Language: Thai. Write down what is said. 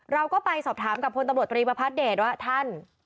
เราก็ไปสอบถามกับพลตำรวจตรีประพัทธเดชว่าท่าน